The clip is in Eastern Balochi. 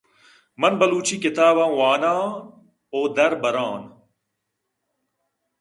من بلوچی کتاباں وان آن ءُ دربر آں۔